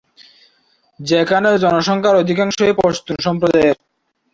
যেখানে জনসংখ্যার অধিকাংশই পশতুন সম্প্রদায়ের।